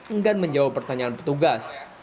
enggan menjawab pertanyaan petugas